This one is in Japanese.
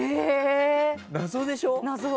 謎でしょ。